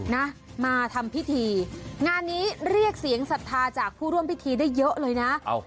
นะมาทำพิธีงานนี้เรียกเสียงศรัทธาจากผู้ร่วมพิธีได้เยอะเลยนะ